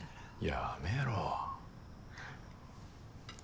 やめろ。